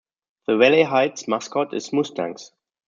The Valley Heights mascot is Mustangs.